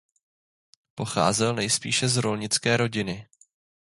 Pocházel nejspíše z rolnické rodiny.